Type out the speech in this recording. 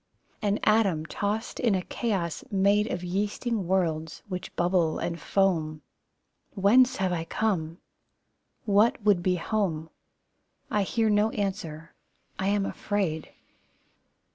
An atom tossed in a chaos made Of yeasting worlds, which bubble and foam. Whence have I come? What would be home? I hear no answer. I am afraid!